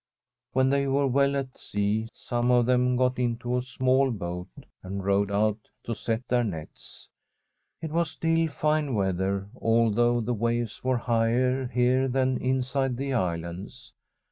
When they were well at sea, some of them got into a small boat and rowed out to set their nets. It was still fine weather, although the waves were higher here than inside the islands.